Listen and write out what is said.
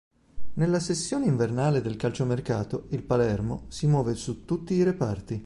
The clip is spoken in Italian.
Nella sessione invernale del calciomercato, il Palermo si muove su tutti i reparti.